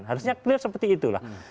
harusnya clear seperti itu